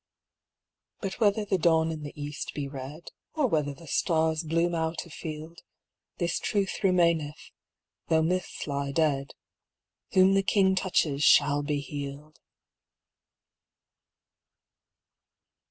But whether the dawn in the east be red, Or whether the stars bloom out afield, This truth remaineth, tho' myths lie dead :*' Whom the King touches shall be healed